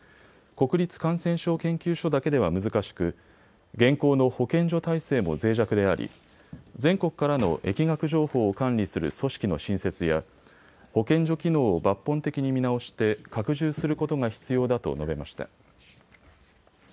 国立感染症研究所だけでは難しく現行の保健所体制もぜい弱であり、全国からの疫学情報を管理する組織の新設や保健所機能を抜本的に見直して拡充することが必要だと述べました。